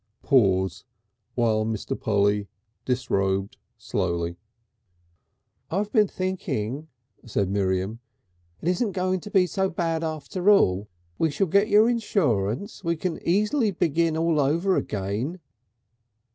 Pause, while Mr. Polly disrobed slowly. "I been thinking," said Miriam, "It isn't going to be so bad after all. We shall get your insurance. We can easy begin all over again."